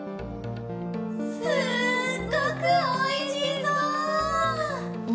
すっごくおいしそう！